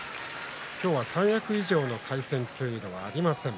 今日は、三役以上の対戦というのはありません。